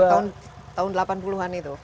tahun delapan puluh an itu